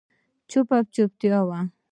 چوپه چوپتیا وه.